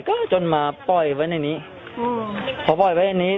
ก็จนมาปล่อยไว้ในนี้